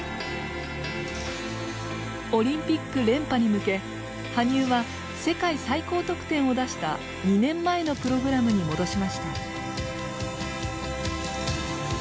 オリンピック連覇に向け羽生は世界最高得点を出した２年前のプログラムに戻しました。